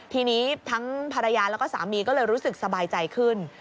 ทีนี้ทั้งภรรยาแล้วก็สามีก็เลยรู้สึกสบายใจขึ้น